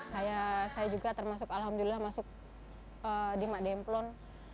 kayak saya juga termasuk alhamdulillah masuk di mak demplon